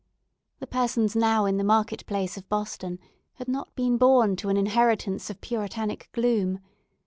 The persons now in the market place of Boston had not been born to an inheritance of Puritanic gloom.